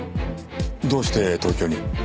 どうして東京に？